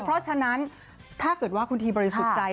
เพราะฉะนั้นถ้าเกิดว่าคุณทีบริสุทธิ์ใจ